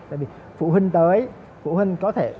tại vì phụ huynh tới phụ huynh có thể